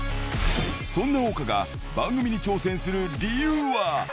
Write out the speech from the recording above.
そんな謳歌が、番組に挑戦する理由は。